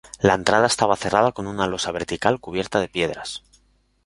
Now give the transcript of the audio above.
La entrada estaba cerrada con una losa vertical cubierta de piedras.